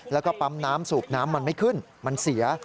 แล้วก็ปั๊มน้ำสูบน้ำมันไม่ขึ้นมันเสีย